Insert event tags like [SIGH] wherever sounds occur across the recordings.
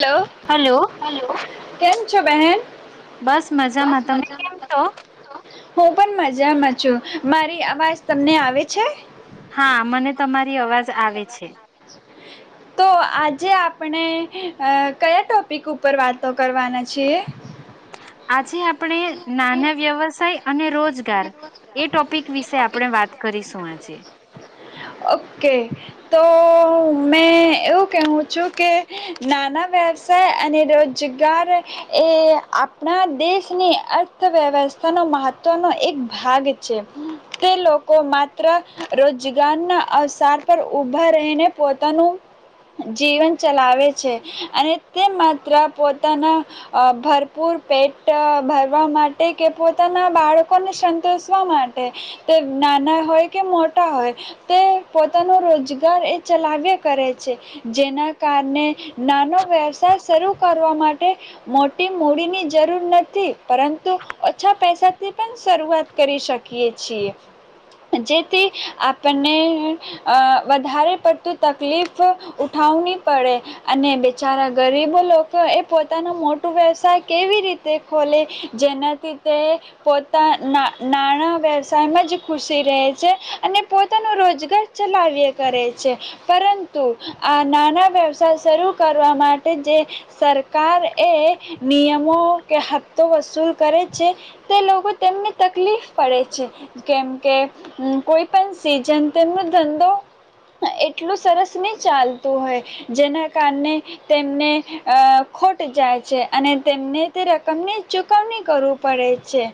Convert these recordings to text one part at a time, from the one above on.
Hello, hello hello કેમ છો? બહેન. બસ મજામાં તમે કેમ છો? હું પણ મજામાં છું, મારી અવાજ તમને આવે છે? હા મને તમારી અવાજ આવે છે. તો આજે આપણે કયા ટોપિક ઉપર વાતો કરવાના છીએ? જે આપ નાના વ્યવસાય અને રોજગાર એ ટોપિક વિશે આપણે વાત કરીશું આજે. ઓકે તો મેં એવું કહેવું છું કે નાના વ્યવસાય અને રોજગાર એ આપણા દેશ ની અર્થવ્યવસ્થાનો મહત્વનો એક ભાગ છે તે લોકો માત્ર રોજગાર ના અવસર પર ઊભા રહીને પોતાનું જીવન ચલાવે છે અને તે માત્ર પોતાના ભરપૂર પેટ ભરવા માટે કે પોતાના બાળકોને સંતોષવા માટે તે નાના હોય કે મોટા હોય તે પોતાનો રોજગાર એ ચલાવ્ય કરે છે જેના કારણે નાનો વ્યવસાય શરૂ કરવા માટે મોટી મૂડીની જરૂર નથી. પરંતુ ઓછા પૈસાથી પણ શરૂઆત કરી શકીએ છએ જેથી આપને વધારે પડતું તકલીફ ઉઠાવની પડે અને બિચારા ગરીબો લોકો એ પોતાનું મોટું વ્યવસાય કેવી રીતે તે ખોલે જેનાથી તે પોતા નાણાં વ્યવસાયમાં જ ખુશી રહે છે અને પોતાનું રોજગાર ચલાવ્ય કરે છે પરંતુ આ નાના વ્યવસાય શરૂ કરવા માટે જે સરકાર એ નિયમો કે હથતો વસૂલ કરે છે તે લોકો તેમને તકલીફ પડે છે કેમકે કોઈ પણ સીઝન તેમનો ધંધો એટલું સરસ નહી ચાલતું હોય જેના કારણે તેમને ખોટ જાય છે અને તેમને તે રકમની ચુકવણી કરવવી પડે છે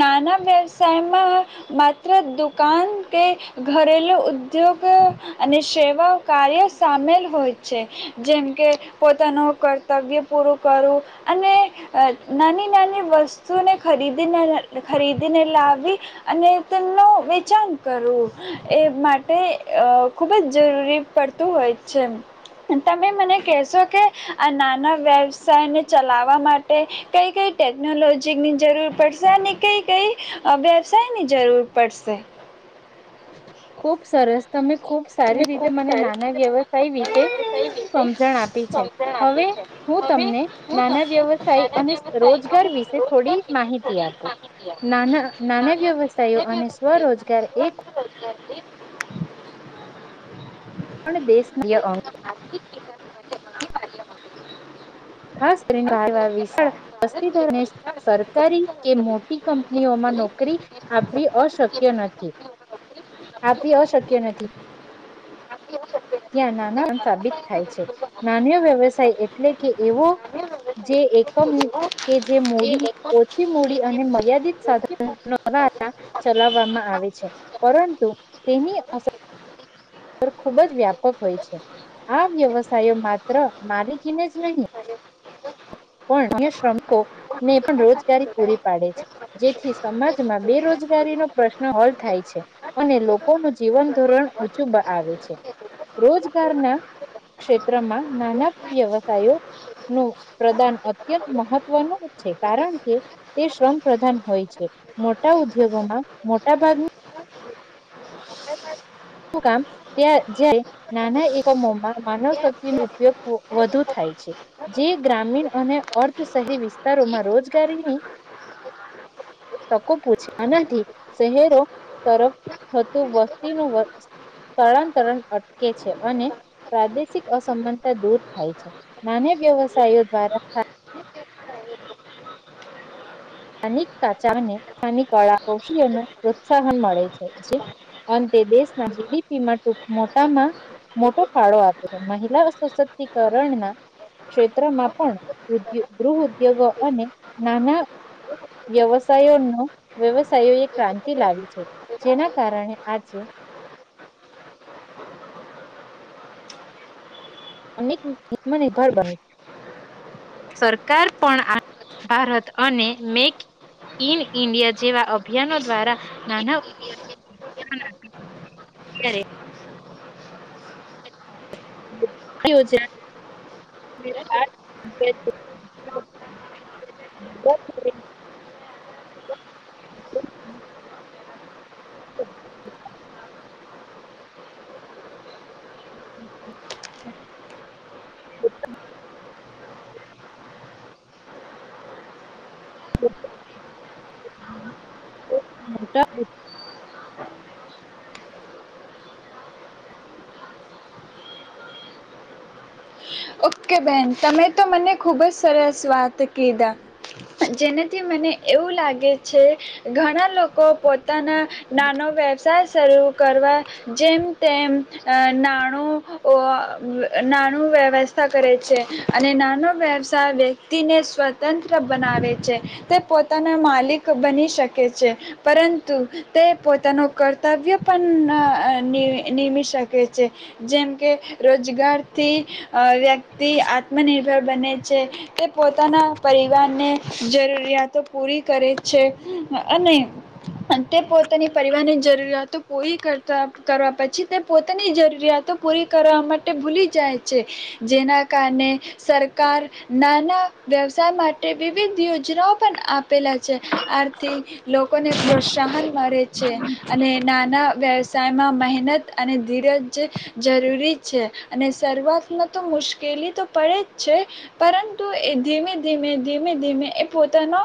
નાના વ્યવસાયમાં માત્ર દુકાન કે ઘરેલુ ઉદ્યોગ અને સેવા કાર્ય સામેલ હોય છે જેમ કે પોતાનું કર્તવ્ય પૂરું કરવું. અને નાની નાની વસ્તુ તુઓને ખરીદીને ખરીદી ને લાવી અને તેમનું વેચાણ કરવું એ માટે ખૂબ જ જરૂરી પડતું હોય છે તમે મને કહેશો કે આ નાના વ્યવસાયને ચલાવવા માટે કઈ કઈ ટેકનોલોજીની જરૂર પડશે અને કઈ કઈ વ્યવસાયની જરૂર પડશે. ખુબ સરસ તમે? ખુબ સારી રીતે મને નાના વ્યવસાય વિશે સમજણ આપી છે હવે હું તમને નાના વ્યવસાય અને રોજગાર વિશે થોડી માહિતી આપું નાના નાના વ્યવસાયો અને સ્વરોજગાર એ એથી પણ દેશ અંગ [UNINTELLIGIBLE] ખાસ કરીને વિસ્ધને સરકારી કે મોટી કંપનીઓમાં નોકરી આપવી અશક્ય નથી આપવી અશક્ય નથી. ત્યાં નાના સાબિત થાય છે નાનીઓ વ્યવસાય એટલે કે. એવો જે એક. [UNINTELLIGIBLE] કે જે મૂડી ઓછી મૂડી અને મર્યાદિત સાધ્વારા ચલાવવામાં આવે છે પરંતુ તેની અસર ખૂબ જ વ્યાપક હોય છે આ વ્યવસાયો માત્ર મારી જી ને જ નહીં. પણ અન શ્રમિકોને પણ રોજગારી પૂરી પાડે છે જેથી સમાજમાં બેરોજગારીનો પ્રશ્ન હલ થાય છે. અને લોકોનું જીવન ધોરણ ઊંચું આવે છે રોજગારના ક્ષેત્રમાં નાના વ્યવસાયો નું પ્રદાન અત્યંત મહત્વનું છે કારણ કે તે શ્રમ પ્રધાન હોય છે મોટા ઉદ્યોગોમાં મોટા ભાગની [UNINTELLIGIBLE] જ નાના એકમોમાં માનવ શક્તિ ન ઉપયોગ વધુ થાય છે જે ગ્રામીણ અને અર્ધ શહેરી વિસ્તારોમાં રોજગારીની તકો પૂછે આનાથી શહેરો તરફ થતું વસ્તીનું. સ્થળાંતરણ અટકે છે અને પ્રાદેશિક અસમાનતા દૂર થાય છે નાના વ્યવસાયો દ્વારા સ્થાનિક કળા કૌશલ ન પ્રોત્સાહન મળે છે જે અંતે દેશના જીડીપીમાં ટૂક મોટામાં મોટો ફાળો આપે છે. મહિલા સશક્તિકરણના ક્ષેત્રમાં પણ ઉ ગૃહ ઉદ્યોગો અને નાના વ્યવસાયોનો વ્યવસાયોએ ક્રાંતિ લાવી છે જેના કારણે આજે. અનેક આત્મનિર્ભર બને સરકાર પણ આ ભારત અને મેક ઇન ઇન્ડિયા જેવા અભિયાનો દ્વારા નાના જ [UNINTELLIGIBLE] [INAUDIBLE] હ [UNINTELLIGIBLE] [INAUDIBLE] ઓકે બેન તમે તો મને ખુબ જ સરસ વાત કીધા જેનાથી મને એવું લાગે છે ઘણા લોકો. પોતાના નાનો વ્યવસાય. શરુ કરવા જેમ તેમ ના નાણુ વ્યવસાય નાનુ કરે છે અને નાનો વ્યવસાય વ્યક્તિને સ્વતંત્ર બનાવે છે તે પોતાના માલિક બની શકે છે. પરંતુ તે પોતાનું કર્તવ્ય પણ નિમી શકે છે જેમ કે રોજગારથી અ વ્યક્તિ આત્મનિર્ભર બને. છે તે પોતાના પરિવારને જરૂરિયાતો પૂરી કરે છે, અને તે પોતાની પરિવારની જરૂરિયાતો પૂરી કરતા કરવા પછી તે પોતાની જરૂરિયાતો પૂરી કરવા માટે ભૂલી જાય છે. જેના કારણે સરકાર નાના વ્યવસાય માટે વિવિધ યોજનાઓ પણ આપેલા છે આથી લોકોને પ્રોત્સાહન મળે છે અને નાના વ્યવસાયમાં મહેનત અને ધીરજ જરૂરી છે અને શરૂઆત. તો મુશ્કેલી તો પડે જ છે પરંતુ એ ધીમે ધીમે ધીમે ધીમે એ પોતાનો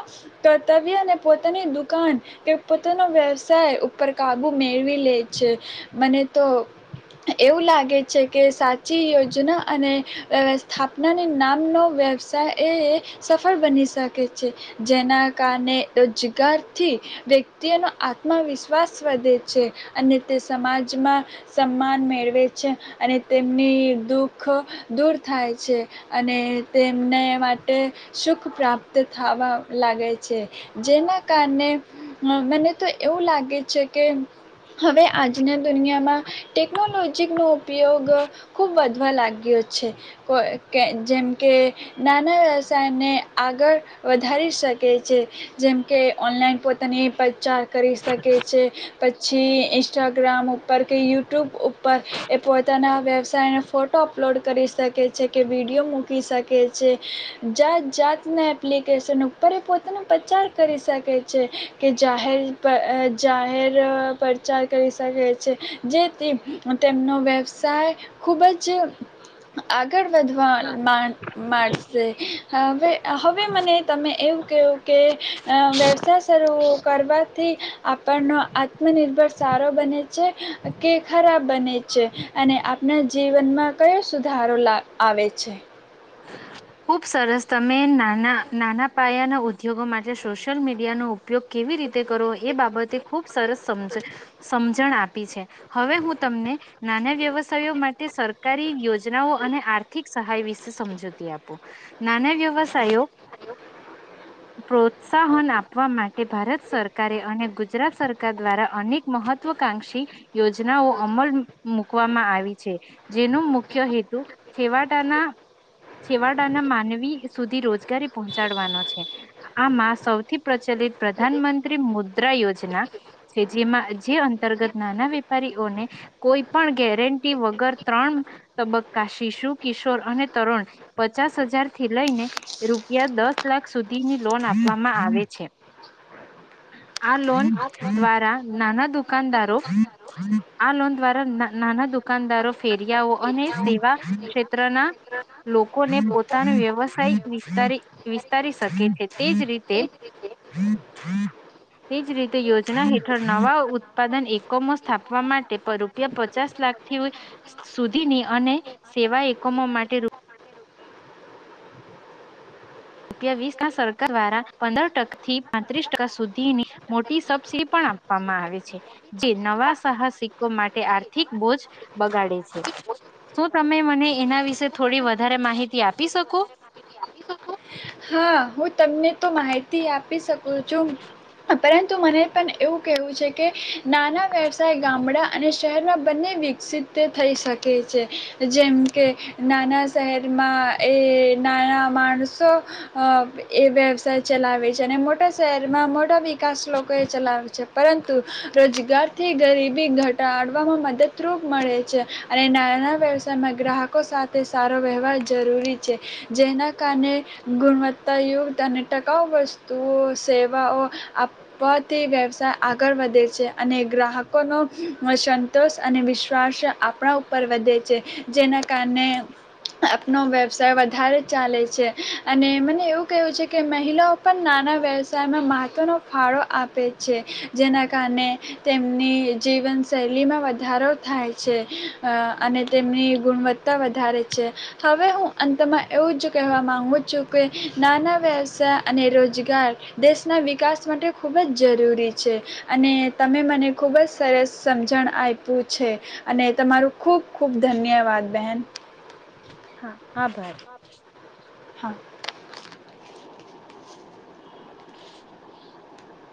કર્તવ્ય અનેને પોતાની દુકાન કે પોતાનો વ્યવસાય ઉપર કાબુ મેળવી લે છે મને તો એવું લાગે છે કે સાચી. રોજના અને અ સ્થાપના ની નામ નો વ્યવસાય એ સફળ બની શકે છે જેના કારણે રોજગારથી વ્યક્તિઓનો આત્મવિશ્વાસ વધે છે અને તે સમાજમાં સન્માન મેળવે છે અને તેમની દુઃખ સુખ દૂર થાય છે અને તેમને માટે સુખ પ્રાપ્ત થવા લાગે છે જેના કારણે મને તો એવું લાગે છે કે હવે આજના દુનિયામાં ટેકનોલોજી નો ઉપયોગ ખુબ વધી વધવા લાગ્યો છે કો કે જેમકે નાના વ્યવસાયને આગળ વધારી શકે છે જેમકે ઓનલાઈન પોતાની પચાર કરી શકે છે પછી ઇન્સ્ટાગ્રામ ઉપર કે યુટ્યુબ ઉપર એ પોતાના વ્યવસાયને ફોટો અપલોડ કરી શકે છે કે વિડીયો મૂકી શકે છે જાત જાતના એપ્લિકેશન ઉપર એ પોતાનો પ્રચાર કરી શકે છે. કે જાહેર પ જાહેર પડચાર કરી શકે છે જેથી તેમનો વ્યવસાય ખૂબ જ જે આગળ વધવા મા માડશે હવે હવે મને તમે એવું કહેહું કે અ વ્યવસાય શરૂ કરવાથી આપણનો આત્મનિર્ભર સારો બને છે કે ખરાબ બને છે અને આપણા જીવ જીવનમાં કયો સુધારો લા આવે છે ખુબ સરસ તમે નાના નાના પાયાના ઉદ્યોગો માટે સોશિયલ મીડિયાનો ઉપયોગ કેવી રીતે કરો એ બાબતે ખૂબ સરસ સમ સમજણ આપી છે હવે હું તમને નાના વ્યવ વ્યવસાય માટે સરકારી યોજના યોજનાઓ અને આર્થિક સહાય વિશે સમજોતી આપ નાના વ્યવસાયો પ્રોત્સાહન આપવા માટે ભારત સરકારે અને ગુજરાત સરકાર દ્વારા અનેક મહત્વકાંક્ષી યોજનાઓ અમલ મુૂકવામાં આવી છે જેનો મુખ્ય હેતુ છેવાડાના છેવાડાના માનવી સુધી રોજગારી પહોંચાડવાનો છે આમાં સૌથી પ્રચલિત પ્રધાનમંત્રી મુદ્રા યોજના છે જેમાં જે અંતર્ગત નાના વેપારીઓને કોઈ પણ ગેરંટી વગર ત્રણ તબક્કા શિશુ કિશોર અને તરુણ પચાસ હજાર થી લઈને રૂપિયા દસ લાખ સુધીની લોન આપવામાં આવે છે આ લોન દ્વારા નાના દુકાનદારો આ લોન દ્વારા નાના દુકાનદારો ફેરિયાઓ અને સેવા ક્ષેત્રના લો પોતાનો વ્યવસાયિક વિસ્તારી વિસ્તારી શકે છે તેજ રીતે તેજ રીતે યોજના હેઠળ નવા ઉત્પાદન એકમો સ્થાપવા માટે રૂપિયા પચાસ લાખથી સુધીની અને સેવા એકમો માટે રૂપિયા વીસ સરકાર દ્વારા પંદર ટકા થી પાંત્રીસ ટકા સુધીની મોટી સબસીિડી પણ આપવામાં આવે છે જે નવા સાહસિકો માટે આર્થિક બોજ બગાડે છે શું તમે મને એના વિશે થોડી વધારે માહિતી આપી શકો હા હું તમને તો માહિતી થી આપી શકું છું ઉપરાંત તો મને પણ એવું કેહેવું છે કે નાના વ્યવસાય ગામડા અને શ શહેરમાં બંને વિકસિત થઈ શકે છે જેમ કે નાના શહેરમાં એ નાના માણસો એ વ્યવસાય ચલાવે છે અને મોટા શહેરમાં મોટા વિકાસ લોકો ચલાવ છે. પરંતુ રોજગારથી ગરીબી ઘટાડવામાં મદદરૂપ મળે છે અને નાના વ્યવસાયમાં ગ્રાહકો સાથે સારો વ્યવહાર જરૂરી છે જેના કારણે ગુણવત્તાયુક્ત અને ટકાઉ વસ્તુઓ સેવાઓ આપવાથી વ્યવસાય આગળ વધે છે અને ગ્રાહકોનો સંતોષ અને વિશ્વાસ આપણા ઉપર વધે છે જેના કારણે આપનો વ્યવસાય વધારે ચાલે છે અને મને એવું કહેવું છે કે મહિલાઓ પણ નાના વ્યવસાયમાં મહત્ત્વનો ફાળો આપે છે જેના કારણે તેમ ની જીવનશૈલીમાં વધારો થાય છે અને તેમની ગુણવત્તા વધારે છે હવે હું અંતમાં એવું જ કહેવા માગુ જોકે નાના વ્યવસાય અને રોજગાર દેશના વિકાસ માટે ખૂબ જ જરૂરી છે અને તમે મને ખૂબ જ સરસ સમજણ આયપુ છે અને તમારું ખૂબ ખૂબ ધન્યવાદ બહેન હા આભાર. હા.